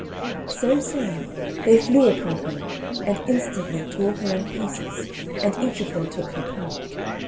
So saying, they flew upon her, and instantly tore her in pieces, and each of them took her part.